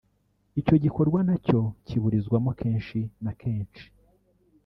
icyo gikorwa nacyo kiburizwamo kenshi na kenshi